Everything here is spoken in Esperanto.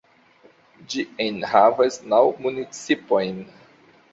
Ĝi enhavas naŭ municipojn.